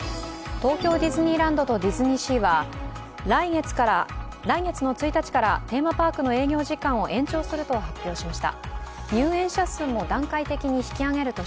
東京ディズニーランドとディズニーシーは来月１日から営業時間を延長すると発表しました。